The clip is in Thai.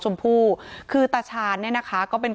การแก้เคล็ดบางอย่างแค่นั้นเอง